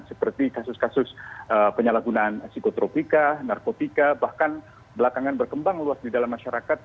seperti kasus kasus penyalahgunaan psikotropika narkotika bahkan belakangan berkembang luas di dalam masyarakat